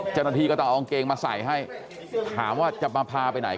เจ้าหน้าที่ก็ต้องเอากางเกงมาใส่ให้ถามว่าจะมาพาไปไหน